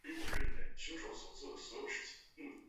总部位于印度马哈拉施特拉邦孟买。